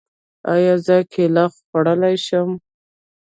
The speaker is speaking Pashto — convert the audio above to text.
ایا زه کیله خوړلی شم؟